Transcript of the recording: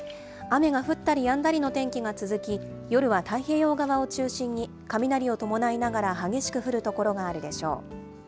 雨が降ったりやんだりの天気が続き、夜は太平洋側を中心に雷を伴いながら激しく降る所があるでしょう。